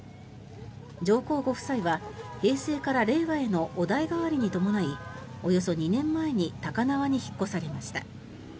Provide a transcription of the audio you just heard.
上皇ご夫妻は平成から令和へのお代替わりに伴いおよそ２年前に高輪に引っ越されました。